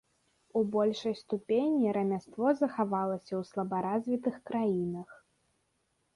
У большай ступені рамяство захавалася ў слабаразвітых краінах.